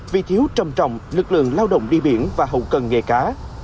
vì thiếu trầm trọng lực lượng lao động đi biển và hậu cần nghề cá